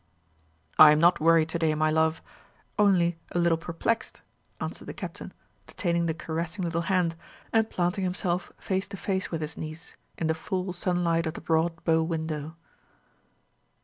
"I am not worried to day, my love; only a little perplexed," answered the Captain, detaining the caressing little hand, and planting himself face to face with his niece, in the full sunlight of the broad bow window.